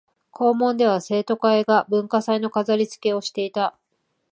校門では生徒会が文化祭の飾りつけをしていた